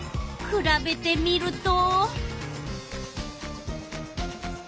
くらべてみると。